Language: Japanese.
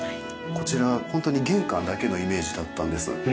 こちらホントに玄関だけのイメージだったんです。